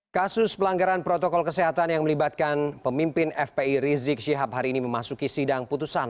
kasus pelanggaran protokol kesehatan yang melibatkan pemimpin fpi rizik syihab hari ini memasuki sidang putusan